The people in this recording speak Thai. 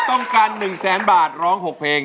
ต้องการ๑แสนบาทร้อง๖เพลง